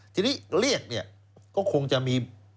ทีนี้เรียกเนี่ยก็คงจะมี